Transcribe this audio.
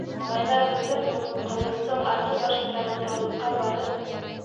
Малайҙар бөгөн үк Ҡылыстың арғы башындағы таллыҡҡа барып